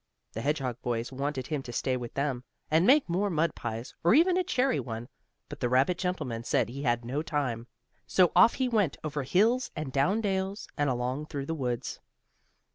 The hedgehog boys wanted him to stay with them, and make more mud pies, or even a cherry one, but the rabbit gentleman said he had no time. So off he went over hills and down dales, and along through the woods.